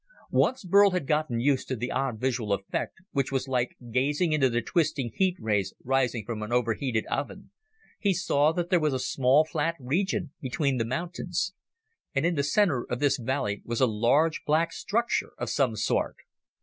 Once Burl had gotten used to the odd visual effect, which was like gazing into the twisting heat rays rising from an overheated oven, he saw that there was a small flat region between the mountains. And in the center of this valley was a large black structure of some sort.